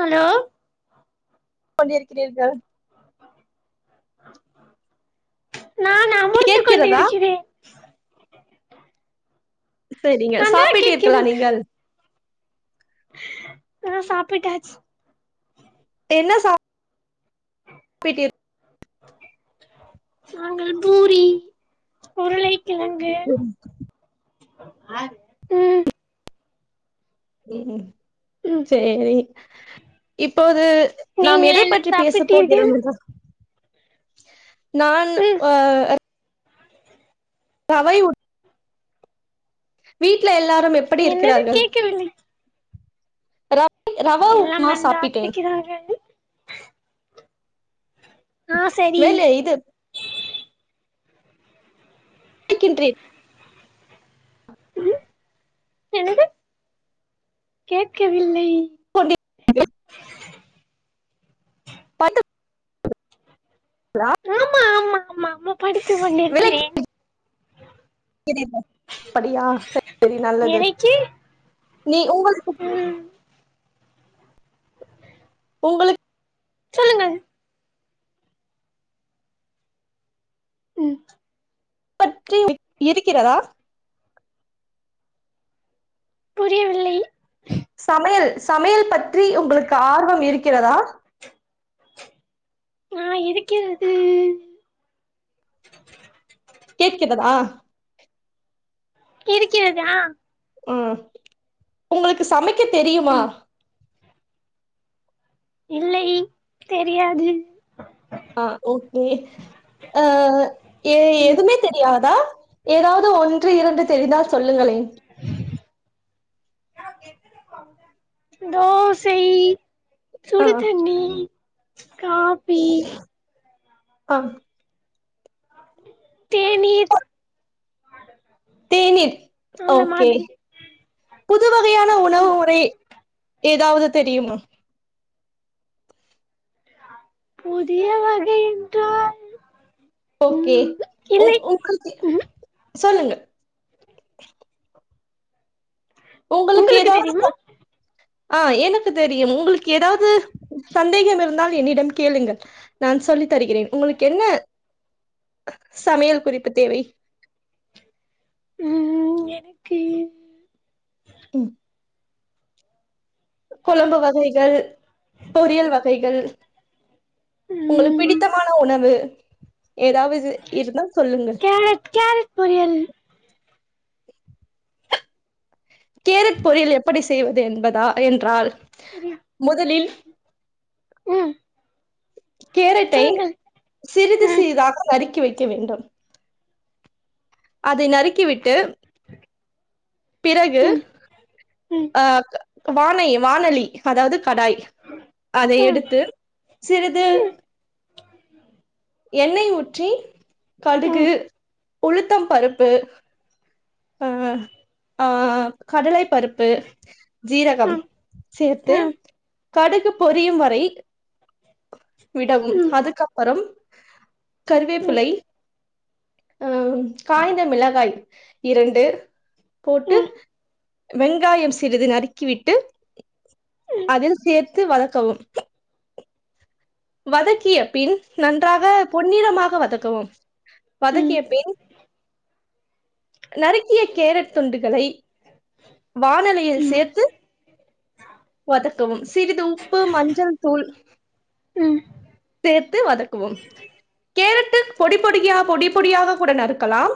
hello [unintelligible] இருக்கிறீர்கள் நான் அமர்ந்து கொண்டு கேட்கிறதா இருக்கிறே சரிங்க சாப்பிட்டீர்களா நீங்கள் ஆ சாப்பிட்டாச்சு என்ன சாப் பிட்டிர் நாங்கள் பூரி உருளைக்கிழங்கு ம் ம்ம்ஹூ ம் சேரி இப்போது நாம் நீங்கள் எதை என்ன பற்றி பேசப் சாப்பிட்டீர்கள் போகிறோம் [unintelligible] [inaudible] நான் ம் ஒ அர் பவை உட் வீட்ல எல்லா ரும் எப்படி என்னது இருக்கிறார்கள் கேட்கவில்லை ர எல்லாம் நன்றாக இருக்கிறார்கள் ஆ சரி வேலையா இது டிக்கின்றேன் ம் என்னது கேட்கவில்லை [inaudible] பத்து லா அம்மா [unintelligible] படித்து கொண்டிருக்கிறேன் [unintelligible] அப்படியா சேரி சேரி நல்லது எனக்கு நீ உங்க ம் உங்களுக் சொல்லுங்க ம் பற்றி இறிக்கிறதா புரியவில்லை சமையல் சமையல் பற்றி உங்களுக்கு ஆர்வம் இருக்கிறதா ஆ இருக்கிறது உம் கேட்கிறதா இருக்கிறதா ம் உங்களுக்கு சமைக் க தெரியுமா ம் இல்லை தெரியாது ஆஹ் ஓகே அஹ் எ எதுவுமே தெரியாது அ ஏதாவது ஒன்று இரண்டு தெரிந்தா சொல்லுங்களே தோசைய் ஆ சுடு தண்ணீ காப்பி அம் தேனீர் தேநீர் ஓகே புது வகையான உணவு முறை ஏதாவது தெரியுமா புதிய வகையென்றால் ஓ கே உ உங்களுக்கு ம் சொல்லுங்க உங்களுக்கு ஏதாவது ஆ எனக்கு தெரியும் உங்களுக்கு ஏதாவது சந்தேகம் இருந்தால் என்னிடம் கேளுங்கள் நான் சொல்லி தருகிறேன் உங்களுக்கு என்ன சமையல் குறிப்பு தேவை உம் எனக்கு ம் குழம்பு வகைகள் பொரியல் வகைகள் உங்களுக்கு ம் பிடித்தமான உணவு ஏதாவது இருந்தா சொல்லுங்கள் கேரட் கேரட் பொரியல் கேரட் பொரியல் எப்படி செய்வது என்பதா என்றால் தெரியு முதலில் ம் கேரட்டை சொல்லுங்கள் சிறிது ம் சிறிதாக நறுக்கி வைத் [unintelligible] வேண்டும் அதை நறுக்கி விட்டு பிறகு ம் ம் ஆ க வானை வானலி அதாவ்து கடாய் அதை ம் எடுத்து சிறிது ம் ம் எண்ணெய் ஊற்றி கடுகு ம் உளுத்தம் பருப்பு அ ஆ கடலைப் பருப்பு ஜீரகம் ம் சேர்த்து ம் கடுகு பொரியும் வரை விடவும் அதுக்கப்பறம் ம் கருவேப்பிலை அ ம் காய்ந்த மிளகாய் இரண்டு போட்டு வெங்காயம் சிறிது நறுக்கிவிட்டு ம் அதில் சேர்த்து வதக்கவும் வதக்கிய பின் நன்றாக பொன்னிறமாக வதக்கவும் ம் வதக்கிய பின் நறுக்கிய கேரட் துண்டுகளை வானலியில் ம் சேர்த்து வதக்கவும் சிறிது உப்பு மஞ்சள் தூள் ம் சேர்த்து வதக்கவும் கேரட்டு பொடி பொடியா பொடி பொடியாக கூட நறுக்கலாம்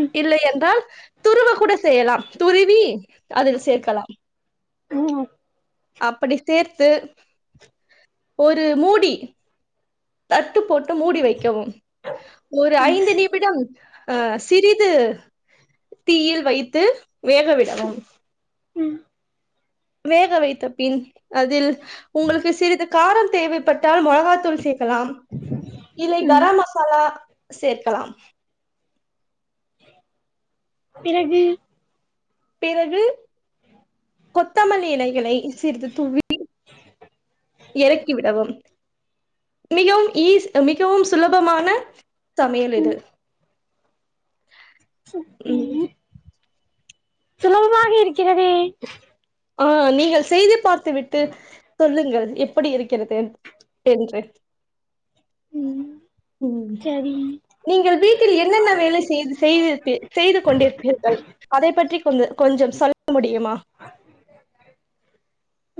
ம் இல்லையென்றால் துருவ கூட செய்யலாம் துருவி அதில் சேர்க்கலாம் ம் அப்படி சேர்த்து ஒரு மூடி தட்டு போட்டு மூடி வைக்கவும் ஒரு ம் ஐந்து நிமிடம் அ சிறிது தீயில் வைத்து வேக விடவும் உம் வேக வைத்த பின் அதில் உங்களுக்கு சிறிது காரம் தேவைப்பட்டால் மொளகாத்தூள் சே க்கலாம் இல்லை ம் கரம் மசாலா சேர்க்கலாம் பிறகு பிறகு கொத்தமல்லி இலைகளை சிறிது தூவி எறக்கிவிடவும் மிகவும் ஈஸ் மிகவும் சுலபமான சமையல் ம் இது ம் [unintelligible] சுலபமாக இருக்கிறதே ஆஹ் நீங்கள் செய்து பார்த்து விட்டு சொல்லுங்கள் எப்படி இருக்கிறது என்று ம் உம் சரி நீங்கள் வீட்டில் என்னென்ன வேலை செய்து செய்துருப்பீர் செய்து கொண்டிருப்பீர்கள் அதை பற்றி கொஞ் கொஞ்சம் சொல்ல முடியுமா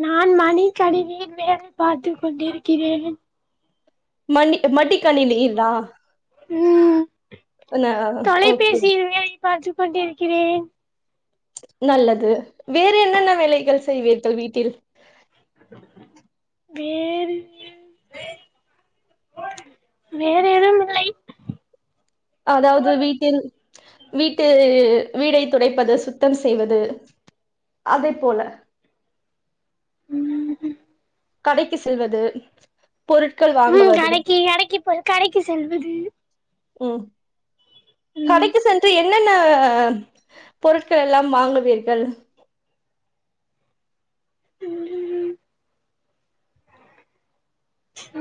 நான் மணிகணினி வேலை பார்த்து கொண்டிருக்கிறேன் மண்ணி மட்டி கணினியில்ல ம் [unintelligible] கொண்டு இருக்கிறேன் நல்லது வேற என்னென்ன வேலைகள் செய்வீர்கள் வீட்டில் வேறு வேற எதும் இல்லை அதாவது வீட்டில் வீட்டு வீடை துடைப்பது சுத்தம் செய்வது அதை போல உம் கடைக்கு செல்வது பொருட்கள் உம் வாங்குவது கடக்கி கடக்கி போ கடைக்கு செல்வது ம் ம் கடைக்கு சென்று என் என்னென்ன பொருட்கள் எல்லாம் வாங்குவீர்கள் உம் ஹ்ம்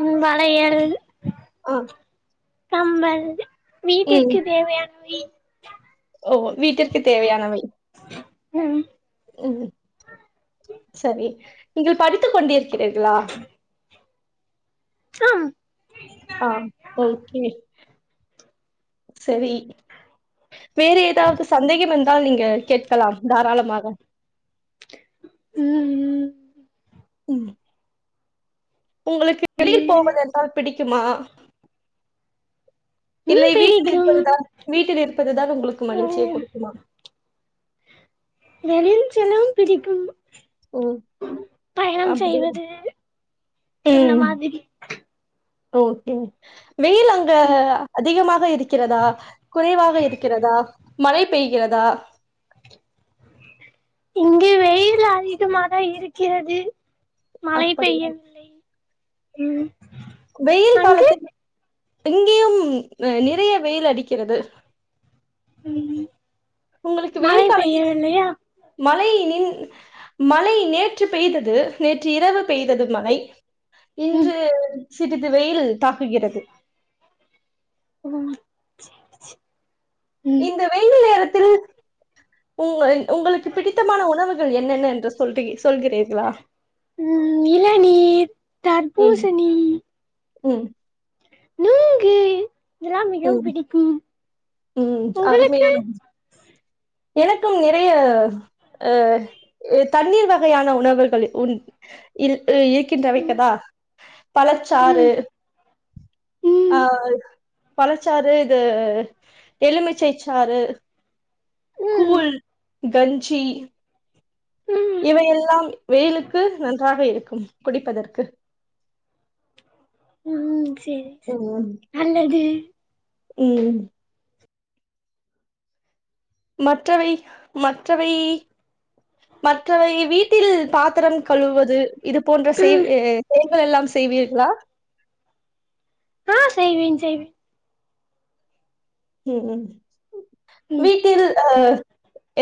உம் வளையல் [unintelligible] கம்பல் ம் வீட்டிற்கு தேவையான வி ஓ வீட்டிற்கு தேவையானவை உம் உம் சரி நீங்கள் படித்துக் கொண்டு கேக்குளா ஆ ஆஹ் உம் ஒகே சரி வேறு ஏதாவது சந்தேகம் இருந்தா நீங்க கேட்கலாம் தாராளமாக உம் ம் உம் உங்களுக்கு வெளியில் வேற போவதென்றால் பிடிக் க்கிமா இல்லை ம் வீட்டில் பிடிக்கும் இருப்பது தான் வீட்டில் இருப்பது தான் உங்களுக்கு மகிழ்ச்சியை ம் கொடுக்குமா வெளியில் செல்லவும் பிடிக்கும் ம் பயணம் அப்படி செய்வது இந்த ம் மாதிரி ஓகே வெயில் அங்க அதிகமாக இருக்கிறதா குறைவாக இருக்கிறதா மழை பெய்கிறதா இங்கே வெயில் அதிகமாக இருக்கிறது மழை அப்படியா பெய்யவில்லை ம் வெயில் அங்கு காலத்தில் இங்கேயும் நிறைய வெயில் அடிக்கிறது ம் மழை பெய்யவில்லையா மழைய நின் மழை நேற்று பெய்தது நே ற்று இரவு பெய்தது மழை ம் இன்று சிறிது வெயில் தாக்குகிறது ஓ செரி செரி இந்த வெயில் நேரத் தில் உங்கள் உங்களுக்கு பிடித்தமான உணவுகள் என்னென்ன என்று சொல்றீ சொல்கிறீர்களா உம் இளநீ தர்பூசணி உம் நுங்கு இதெல்லாம் மிகவும் ம் பிடிக்கும் ம் உங்களுக்கு அருமையான எனக்கும் நிறைய அஹ் தண்ணீர் வகையான உணவுகள் உ இல் இயக்கின்றவை ம் கதா பழச்சாறு ம் ம் ஆஹ் பழச்சாறு இது எலுமிச்சைச்சாறு ம் கூழ் கஞ்சி ம் இவை எல்லாம் வெயிலுக்கு நன்றாக இருக்கும் குடிப்பதற்கு உம்ம் செரி செ நல்லது உம் மற்றவை மற்றவை மற்றவை வீட்டில் பாத்திரம் கழுவது இது போன்ற செய் செயகள் எல்லாம் செய்வீர்களா [unintelligible] ஆ செய்வேன் செய்வேன் உஹம் உம் ம் வீட்டில் அஹ்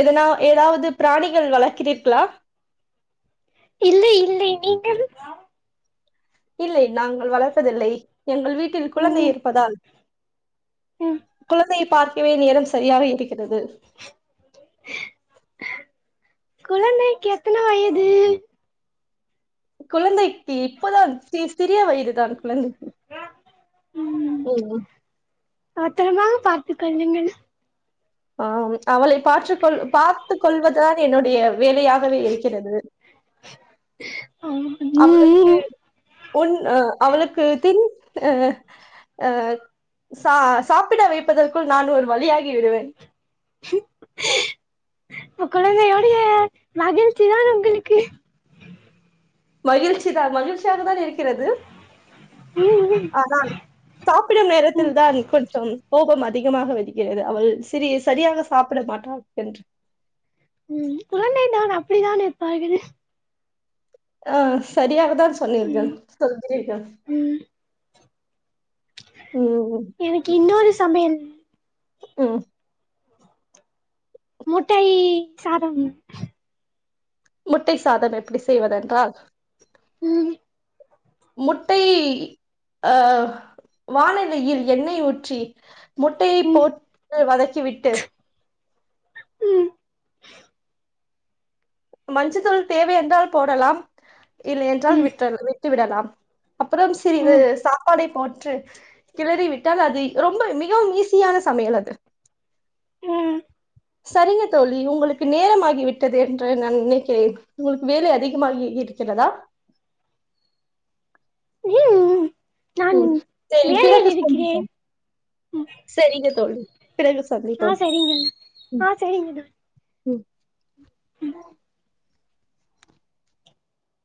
எதனா ஏதாவது பிராணிகள் வளர்க்கிறீக்களா இல்லை இல்லை நீங்கள் இல்லை நாங்கள் வளர்ப்பதில்லை எங்கள் வீட்டில் குழந்தை ம் இருப்பதால் ம் குழந்தை பார்க்கவே நேரம் சரியாக இருக்கிறது குழந்தைக்கு எத்தன வயது குழந்தை இப்பதான் சி சிறிய வயது தான் கொழந்தைக் ஓ ஒ பத்தரமாக பார்த்து கொள்ளுங்கள் ஆஹ் அவளை பார்த்துக்கொள் பார்த்து கொள்வதுதாக என்னுடைய வேலையாகவே இருக்கிறது ம் அவளுக்கு ம் உன் அவளுக்கு தின் அஹ அஹ் ச சாப்பிட வைப்பதற்குள் நான் ஒரு வழியாகி விடுவேன் அ கொழந்தையோடைய மகிழ்ச்சிதான் உங்களுக்கு மகிழ்ச்சி தான் மகிழ்ச்சியாக தான் இருக்கிறது ம் ம் ஆனால் சாப்பிடும் ம் நேரத்தில் தான் கொஞ்சம் கோபம் அதிகமாக வருகிறது அவள் சிறி சரியாக சாப்பிட மாட்டாள் என்று உம் குழந்தை தான் அப்படித்தான் இருப்பாள் ஆஹ் சரியாக த சொன்னிர்கள் ம் [unintelligible] ம் எனக்கு இன்னொரு சமயம் உம் முட்டை சாதம் முட்டை சாதம் எப்டி செய்வதென்றா ம் முட்டை ஆஹ் வானிலையில் எண்ணெய் ஊற்றி முட்டையை ம் போட்டு வதக்கிவிட்டு ம் மஞ்ச தூள் தேவை என்றால் போடலாம் இல்லை என்றால் ம் விற்றல் வி ட்டு விடலாம் அப்றோ சிறிது ம் சாப்பாடை போ ட்ரு கிளறி விட்டால் அது ரொம்ப மிகவும் ஈஸியான சமையல் அது ம் சரிங்க தோழி உங்களுக்கு நேரமாகி விட்டது என்ற நா நினைக்கிறேன் உங்களுக்கு வேலை அதிகமாகி இருக்கிறதா உம் [unintelligible] உம் செரி பிறகு சந்திப்போ செரிங்க தோழி பிறகு ஆ சந்திப்போம் சரிங்க உம் ஆ சரிங்க தோழி உம் அஹ்